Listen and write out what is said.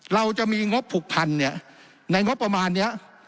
เราจะมีงบผูกพันเนี่ยในงบประมาณนี้